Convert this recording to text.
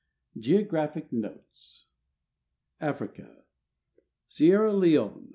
GEOGRAPHIC NOTES AFRICA SiEKRA Leone.